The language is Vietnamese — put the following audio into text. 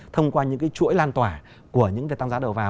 thông qua những cái chuỗi lan tỏa của những việc tăng giá đầu vào